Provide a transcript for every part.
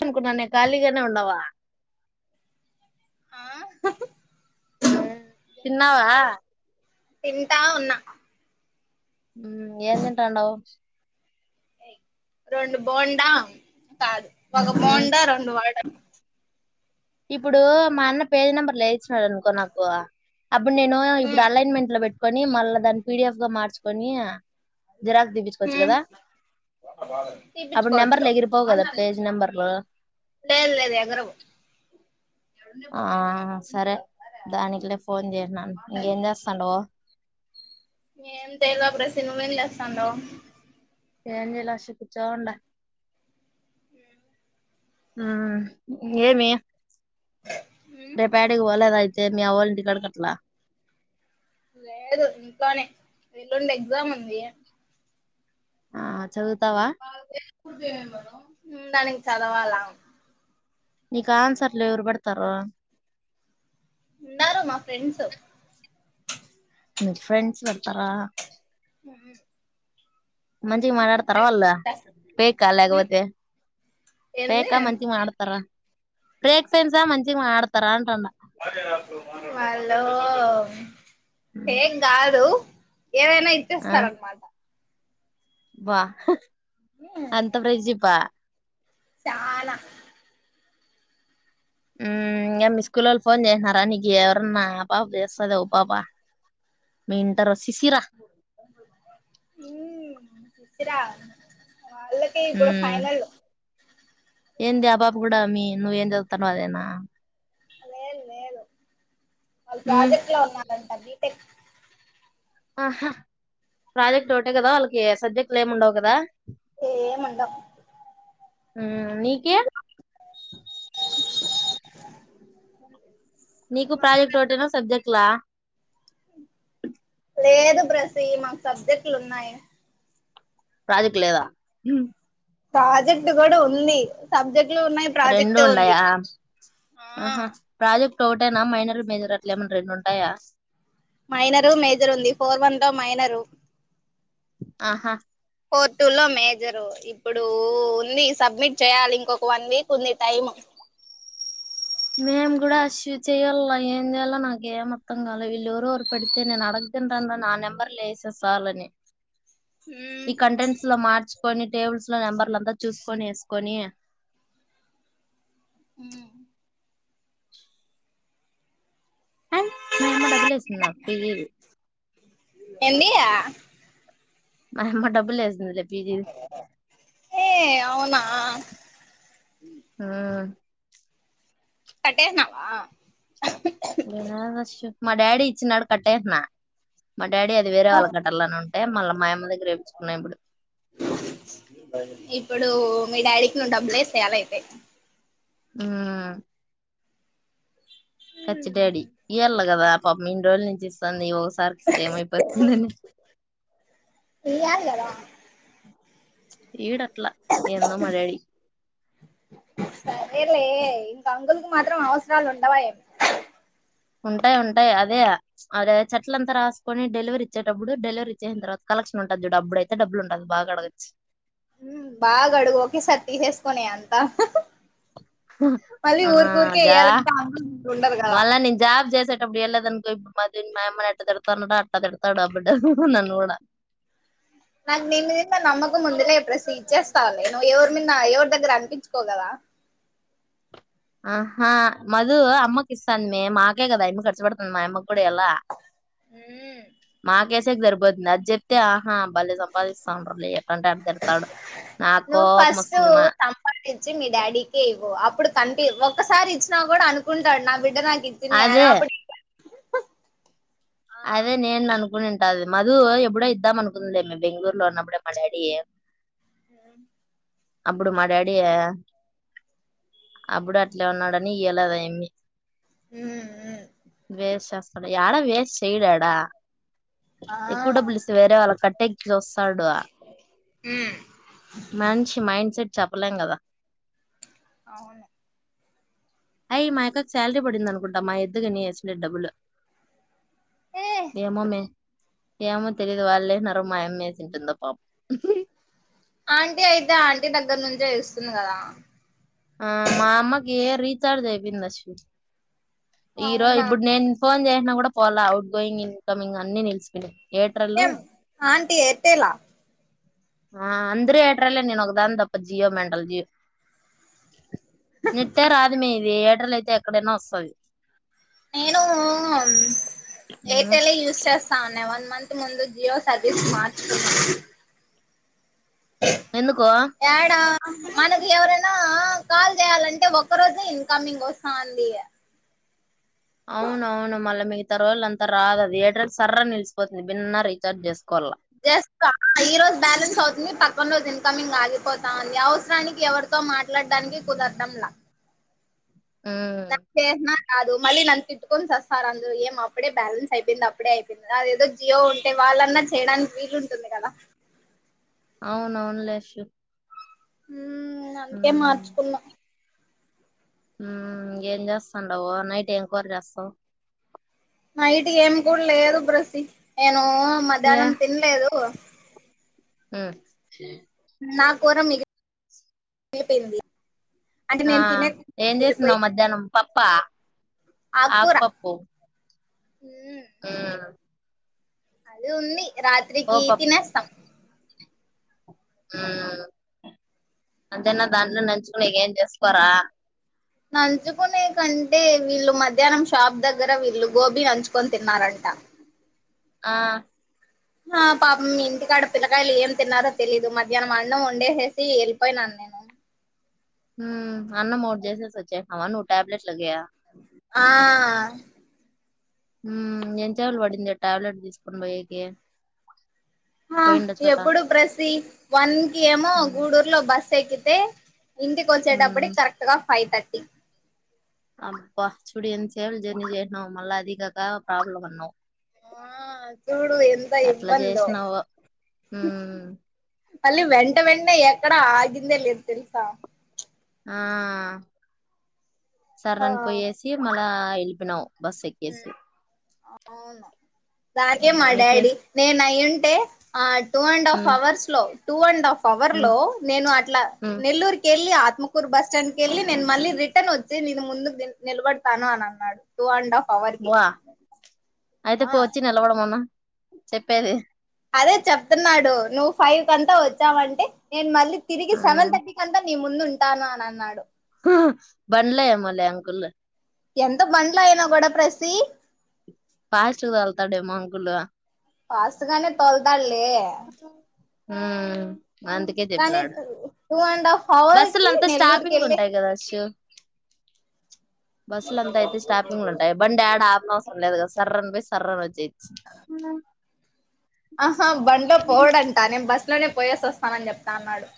అనుకున్నా నే ఖాళీగానే ఉండవా ఆా తిన్నవా తింటా ఉన్నా ఎందింటాండవవు రెండు బోండా కాదు ఒక బోండా రెండు వడ ఇప్పుడు మా అన్న పేజ్ నెంబర్ లే ఇచ్చినడు అనుకో నాకు అప్పుడు నేను ఇప్పుడు హ్మ్ అలైన్మెంట్ లో పెట్టుకొని మళ్ళా దాన్ని పిడిఎఫ్ గా మార్చుకొని జిరాక్ దీపించుకోవచ్చు హ్మ్ కదా అప్పుడు తీపిచ్చుకోవచ్చు నెబర్ల ఎగిరిపోకదా పేజ్ నంబర్ లు లేదు లేదు ఎగరవ ఆ సరే దానికిలే ఫోన్ చేసన్నాను ఇంకేం చేస్తాండవ్ ం తెదు ప్రడు సినిమ ఏం తెస్తాండవు ఏేంజలా అశిపించుండ హ ఏమి హ్మ్ రేపేడికి వలేదయి త మీ అవల్ నికడ కట్లా లేదు ఇంకానే ఎల్లుండి ఎగ్జామ్ ఉంది ఆ చదువుతావా మ్ దానికి చదవాలా నీకు ఆన్సర్లు ఎవరు పెడతారు ఉన్నారు మా ఫ్రెండ్స్ మీ ఫ్రెండ్స్ పెడతారా ఉమ్ మంచిగా మాటాడతారా వాళ్ళు ఫేక్ ఆ హ్మ్ లేకపోతే ఏంది ఫేక్ ఆ మంచిగా మాటాడుతారా ఫేక్ ఫ్రెండ్స్ ఆ మంచిగా మాటాడుతార అ హలో ఏంగాదు ఏవైనా ఆ ఇచ్చేస్తార అనమాట బా హ్మ్ అంత ఫ్రెండ్షిప్ ఆ చాలా ఉమ్ ఇంకా మీ స్కూలోళ్ళ ఫోన్ చేసినారా నీకి ఎవరన్నా ఆ పాప చేస్తుద ఓ పాప మీ ఇంటరు ఉమ్ ఇచ్చిరా వాళ్ళకే ఇప్పుడు మ్మ్ ఫైనల్ ఏంది ఆ పాప కూడా మీ నువ్ ఏం చదువుతానవో అదేనా లేదు లేదు వాళ్ళు మ్మ్ ప్రాజెక్ట్ లో ఉన్నారంట బిటెక్ ఆహా ప్రాజెక్ట్ ఒకటే కదా వాళ్ళకి సబ్జెక్ట్లు ఏము ఉండవు కదా ఏముండవు ఉమ్ నీకి ఓ నీకు ప్రాజెక్ట్ ఓటేనా సబ్జెక్ట్లా లేదు బ్రసీ మాకు సబ్జెక్టులు ఉన్నాయి ప్రాజెక్ట్ లేదా ఉమ్ ప్రాజెక్ట్ కూడా ఉంది సబ్జెక్ట్ రెండూ ఉండాయా ఆ ఆహా ప్రాజెక్ట్ టోటేనా మైనర్ మేజర్ అట్లా ఏమన్నా రెండు ఉంటాయా రు ఆహా ఫోర్ టూ లో మేజరు ఇప్పుడు ఉంది సబ్మిట్ చేయాలి ఇంకొక వన్ వీక్ ఉంది టైం మేం కూడా అషు చేయాల్ల ఏం చేయాలో నాకు ఏం అర్థం కాల వీళ్ళు ఎవరెవరు పెడితే నేను అడగ తింటన్న నా నెంబర్లు వేస్తే చాలని ఈ కంటెంట్స్ లో మార్చు కొని టేబుల్స్ లో నెంబర్లంతా చూసుకొని వేసుకొని ఉమ్ అండ్ మా యమ్మ డబ్బులు వేస్తుందా ఫి ఏంది ఆ మా అమ్మ డబ్బులు వేసింది లే ఏ అవునా ఉమ్ కట్టేసినావా లేదు అశ్షు మా డాడీ ఇచ్చినాడు కట్టేసినా మా డాడీ అది వేరే వాళ్ళకట్టాలని ఉంటే మళ్ళ మాయమ్మ దగ్గర వేపించుకున్నా ఇప్పుడు ఇప్పుడు మీ డాడీకి నువ్వు డబ్బులు వేసేయాల అయితే ఉమ్ కచ్చి డాడీ ఇయళ్ళ కదా పాపం ఇన్ని రోజుల నుంచి ఇస్తంది ఒకసారికి ఇస్తే ఏమైపోతుంది అని ప్చ్ ఇయ్యాలి కదా ఈడట్లా ఏందో మా డాడీ సరేలే ఇంకా అంకుల్ కి మాత్రం అవసరాలు ఉండవా ఏంటి ఉంటాయి ఉంటాయి అదే అదే చెట్ల అంతా రాసుకొని డెలివరీ ఇచ్చేటప్పుడు డెలివరీ ఇచ్చేసిన తర్వాత కలక్షన్ ఉంటుది చూడు అప్పుడయితే డబ్బులు ఉంటది బాగా అడగచ్చు ఉమ్ బాగా అడుగు ఒకేసారి తీసేసుకోనే అంతా మళ్ళీ ఆ ఊరిక ఊరికే జా వేయ్యాలంటే అందరు ఉండదు కదా అప్పుడ లేదు అనుకో మా అమ్మ ఎట్ట తడతానుడో అట్టా తడతాడు అబడ నన్న కూడా నాకు నీ మీద నమ్మకం ఉందిలే ప్లస్ ఇచ్చేస్తావు అని నువ్వు ఎవరి మీద ఎవరి దగ్గర అనిపించుకోవు కదా ఆహా మధు అమ్మకి ఇస్తాంది మే మాకే కదా అమ్మ ఖర్చు పడతాంది మా అమ్మ కూడా ఎలా ఉమ్ మాకు వెసికి సరిపోతుంది అది చెప్తే ఆ బలి సంపాదిస్తాండలీ ఏంటంటే అట తిడతాడు నాకు నువ్వు కోపం ఫస్ట్ వస్తుంది మా సంపాదించి మీ డాడీకే ఇవ్వు అప్పుడు కనిపి ఒక్కసారి ఇచ్చినా కూడా అనుకుంటాడు నా బిడ్డ ఇ అదే నాతందినప్పుడు [inaudible] అదే నేను అనుకున్ ఉంటది మధు ఎప్పుడో ఇద్దాం అనుకుందిలేమ బెంగళూరు లో ఉన్నప్పుడే మా డాడీ అప్పుడు మా డాడీ అడి అప్పుడు అట్లే ఉన్నాడని ఇయలేద అమ్మి మ్మ్ మ్మ్ వేస్ట్ చేస్తాడు యడా వేస్ట్ చేయడు యాడ ఆ ఎక్కువ డబ్బులు ఇస్తే వేరే వాళ్ళ కట్ట వస్తాడు మ్మ్ మనిషి మైండ్ సెట్ చెప్పలేం కదా అవును అయి మా అక్క కు శాలరీ పడిందనుకుంటా మా ఎద్దుకని వేసిన డబ్బులు ఏ ఏమో మే ఏమో తెలీదు వాళ్ళ వేసినారో మా అమ్మ ఎసింటుందొ పాపం ఆంటీ అయితే ఆంటీ దగ్గర నుంచే వేస్తోంది కదా మామ్మకి ఏ రిచార్జ్ అయిపోయింది ఆ ఈ రోజు అవునా ఇప్పుడు నేను ఫోన్ చేసిన కూడా పోల అఔట్ గోయింగ్ ఇన్కమింగ్ అన్ని నిలిచిపోయాయి ఏం ఆంటీ ఎట్టేలా ఆ అందురే ఏటర్లే నేనొకదని దాని తప్ప జియో మెంటల్ నట్టే రాదు మే ఇది ఎయిర్టెల్ అయితే ఎక్కడైనా వస్తుది నేను ఉమ్, ఎయిర్టెల్ యూజ్ చేస్తా ఉన్నా వన్ మంత్ ముందు జియో సర్వీస్ మార్చుకుని ఎందుకో ఎడా మనకి ఎవరైనా కాల్ చేయాలంటే ఒక్క రోజు ఇన్కమ్మింగ్ వస్తా అంది అవున అవును మళ్ళీ మిగతరోజులు అంతా రాదుది ఎయిటెల్ సర్రా నిలిచపోతుంది భిన్న రీచార్జ్ చేస్త చేస్తా ఈ రోజు బ్యాలెన్స్ అవుతుంది పక్క కన రోజు ఇన్కమింగ్ ఆగిపోతా ఉంది అవసరానికి ఎవరితో మాట్లాడడానికి కుదరడంలా ఉమ్ చేసిన కాదు మళ్ళీ నన్ను తిట్టుని చస్తారు అందురూ ఏం అప్పుడే బ్యాలెన్స్ అయిపోంది అపుడే అయిపోయింది అదేదో జియో ఉంటే వా వాళ్ళన్నా చేయడానికి వీలుంటుంది కదా అవునవును లేష్ అంతే మార్చుకున్నాం ఏం చేస్తాండవా నైట్ ఎంక్వైరీ చేస్తావు నైట్ కి ఏం కూడా లేదు బ్రసి నేను మధ్యాహ్నం తినలేదు హ నా కూర మిలి అయిపోయింది ఆ ఏం చేస్తున్నావు మధ్యాహ్నం పప్ప ఆకుకూర ఆకుపప్పు మ్మ్. మ్మ్ అది ఉంది రాత్రికి పోపప్పు తినేస్తాం ఉ అంతేనా దాంట్లో నంచుకునికి ఎం చేసుకోరా నంచుకునేకంటే వీళ్ళు మధ్యాహ్నం షాప్ దగ్గర వీళ్ళు గోబీ నంచుకొని తిన్నారంట ఆ ఆ పాపం మీ ఇంటికాడ పిల్లకాయలు ఏం తిన్నారో తెలీదు. మధ్యాహ్నం అన్నం వండేసేసి వెళ్ళిపోయినాను నేను. అన్న మోటి చేసేసి వచ్చేసి నావ నువ్ టాబ్లెట్స్ ఆ మ్ ఎంచేవాలు పడింది టాబ్లెట్ తీసుకొని పోయే కి ఆ ఎప్పుడు ప్రసి వన్కి ఏమో మ్మ్ గూడూరులో బస్ ఎక్కితే ఇంటికి మ్మ్ వచ్చేటప్పుటికి కరెక్ట్ గా ఫైవ్ థర్టీ. అబ్బా చూడి అని ఎంతసేపు జెర్నీ చేసినావో, మళ్ళీ అదికాక ప్రాబ్లం అన్నావ్. ఆ చూడు ఎంత ఎట్లా ఇబ్బందో. చేసినావో మ్మ్ మళ్ళీ వెంట వెంటనే ఎక్కడా ఆగిందే లేదు తెలుసా? ఆ సర్ ఆ అని పోయేసి మళ్ళా వెలిపోయినావు. అవును, దానికే ఉమ్, మా మీ ఫ్రెండ్ డాడీ నేనయ్యుం టే two and half hmm hours లో టూ అండ్ హాఫ్ పవర్ మ్మ్ లో నేను అట్లా మ్మ్ నెల్లూరుకి వెళ్ళి త్మకూర్ బస్ స్టాండ్ క వెళ్ళి నేను మళ్ళీ రిటర్న్ వచ్చిను ముందు కెళ్ళి నిలబడతాను అని అన్నాడు టూ అండ్ హాఫ్. పవర్కి బా అయితే పో వచ్చి నిలవడ మను చెప్పేది. అదే చెప్తున్నాడు నువ్వు ఫైవ్ కంతా వచ్చావంటే నేను మళ్ళీ తిరిగి ఆ సెవెన్ థర్టీ కంతా నీ ముందు ఉంటాను అని అన్నాడు. బండ్లో ఏమోలే అంకుల్ ఎంత బండ్లు అయినా కూడా ప్రస్సి. ఫాస్ట్ గా తోల్తాడేమో అనుకున్నా. ఫాస్ట్ గానే తోల్తాడులే, మ్, అందుకే చెప్పినాడు. టూ అండ్ హాఫ్ అవర్ బస్సులు కి అంతా నెల్లూరుకి స్టాపింగ్ వెళ్ళి ఉంటాయి కదాచ్చూ. బస్సులు అంతా అయితే స్టాపింగ్లు ఉంటాయి. బండియాడా ఆపనవసరం లేదు సర్రన్ పోయి సర్రున వచ్చేయచ్చు. ఆహా, బండ్లో పోడంటా నేను బస్ లోనే పోయేసి వస్తానని చెప్తా నన్నాడు.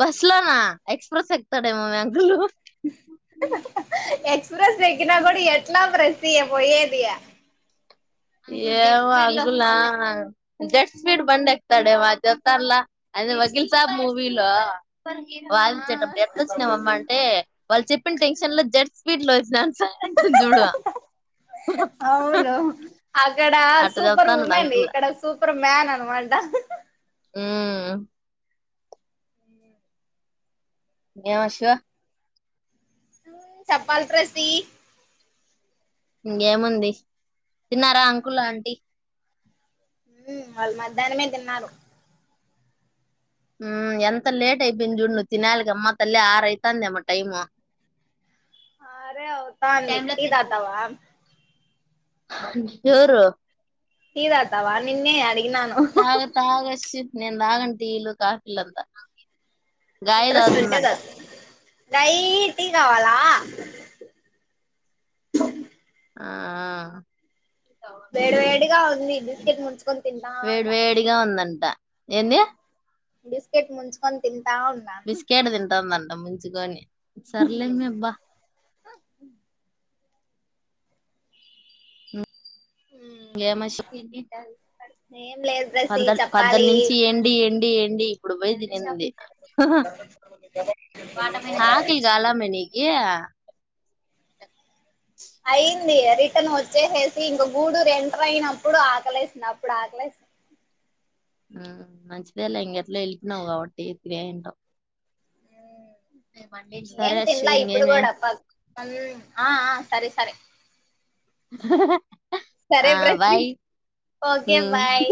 బస్లో నా ఎక్స్ప్రెస్ ఎక్కుతాడేమో మే అంకుల్. [unintelligible] ఎక్స్ప్రెస్ ఎక్కినా కూడా ఎట్లా ప్రెస్టీయే పోయేది. ఏమో అడుగులే జడ్ స్పీడ్ బండి ఎక్తాడేమో జప్తాన్లే. అది వకీల్సాబ్ మూవీలో వాదించేటప్పుడు ఎట్లా వచ్చినావమ్మ అంటే వాళ్ళు చెప్పిన టెన్షన్ లో జడ్ స్పీడ్ లో వచ్చినాను సార్. న్ చూడు అవును. అక్కడ అట్ట సూపర్ చెప్తాన్నాడు ఉమెన్ అంకుల్ ఇక్కడ సూపర్ మ్యాన్ అన్నమాట. మ్ ఏం వచ్చినావ్ చప్పాల ప్రస్సి. ఇంకేముంది తిన్నారా అంకుల్, ఆంటీ? హ్మ్, వాళ్ళు మధ్యాహ్నమే తిన్నారు. ఎంత లేట్ అయిపోయింది చూడు తినాలికి అమ్మ తల్లి ఆరు అయితాంది అమ్మ టైమ్. అ రే అవుతా అంది లో టీ తినకూడదు తాగుతావా? ఎవరు? టీ తాగుతావా నిన్నే అడిగినాను. తాగ తాగచ్చు నేను తాగం టీలు కాఫీలుంతా గాయ తాతుందంట. లైట్ టీ కావాలా? ఆ వేడి వేడిగా ఉంది బిస్కెట్ ముంచుకొని తింటా వేడి ఉండా వేడిగా ఉందంట. ఏంది? బిస్కెట్ ముంచుకొని తిన్ బిస్కెట్ తింటాందంట ముంచుకొని సర్లే మే బ ఏమి [unintelligible] ఏం లేదు బ్రసి పందల్ చెప్పాలి పద్దనుంచి ఏండి ఏండి ఏండి ఇప్పుడు పోయి తినే దాన్ని ఆకలి కాలే మే నీకి అయిదు రిటర్న్ వచ్చేసేసి ఇంక గూడూరు ఎంటర్ అయినప్పుడు ఆకలేసింది అప్పుడు ఆకలేసింది మ్మ్ మంచిదేలే ఇంగ ఎట్లో వెళ్ళిపోయినావు కాబట్టి ఎందొ ఏం సరే శివ తిన్లా ఇప్పుడు ఇంగేమి కూడా పక్కన ఆ ఆ సరే సరే సరే ఆ బ్రసి బాయ్ ఓకే మ్మ్ బాయ్